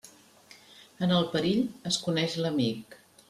En el perill es coneix l'amic.